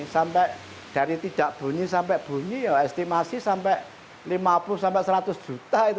sampai dari tidak bunyi sampai bunyi ya estimasi sampai lima puluh sampai seratus juta itu